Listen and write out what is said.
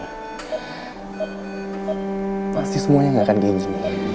pasti semuanya gak akan gini